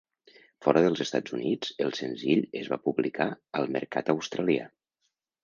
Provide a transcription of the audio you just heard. Fora dels Estats Units, el senzill es va publicar al mercat australià.